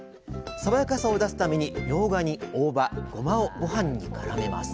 爽やかさを出すためにみょうがに大葉ごまをごはんにからめます